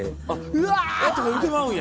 「うわ！」とか言うてまうんや。